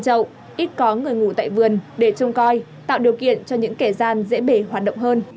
chậu ít có người ngủ tại vườn để trông coi tạo điều kiện cho những kẻ gian dễ bể hoạt động hơn